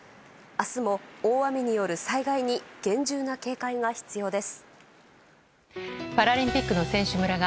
明日も、大雨による災害に厳重な警戒が必要です。